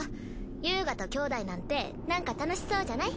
遊我と兄弟なんてなんか楽しそうじゃない。